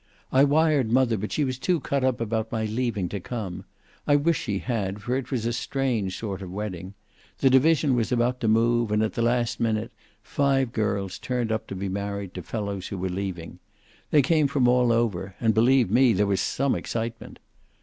"I wired Mother, but she was too cut up about my leaving to come. I wish she had, for it was a strange sort of wedding. The division was about to move, and at the last minute five girls turned up to be married to fellows who were leaving. They came from all over, and believe me there was some excitement.